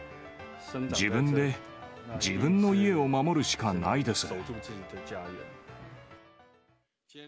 自分で自分の家を守るしかないです。